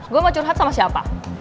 gue mau curhat sama siapa